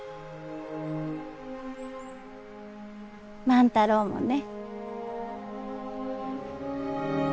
万太郎もね。